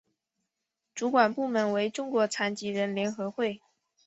主管部门为中国残疾人联合会。